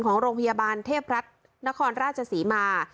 ของโรงพยาบาลเทพรัฐนครราชศรีมา